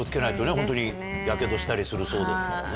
ホントにやけどしたりするそうですからね。